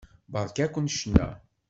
Beṛka-ken ccna.